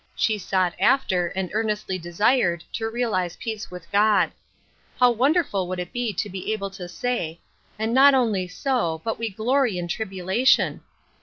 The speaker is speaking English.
She sought after and earnestly desired to realize peace with God. How wonderful would it be to be able to say, " And not only so, but we glory in tribulation